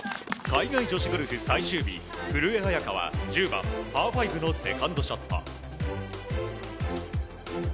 海外女子ゴルフ最終日古江彩佳は、１０番パー５のセカンドショット。